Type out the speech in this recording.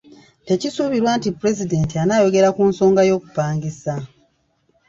Tekisuubirwa nti pulezidenti anaayogera ku nsonga y'okupangisa.